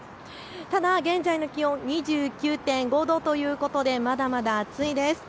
ただ現在の気温、２９．５度ということでまだまだ暑いです。